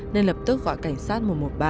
nên lập tức gọi cảnh sát một trăm một mươi ba